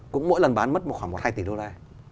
cũng mỗi lần bán mất khoảng một hai tỷ đô la